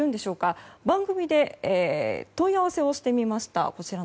こちらの組織に番組で問い合わせをしてみました。